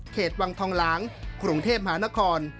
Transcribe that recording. วังทองหลางกรุงเทพมหานคร